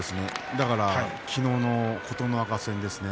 だから昨日の琴ノ若戦ですね。